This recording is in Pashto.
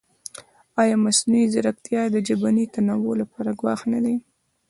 ایا مصنوعي ځیرکتیا د ژبني تنوع لپاره ګواښ نه دی؟